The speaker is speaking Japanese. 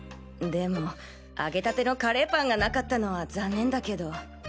でも揚げたてのカレーパンが無かったのは残念だけど。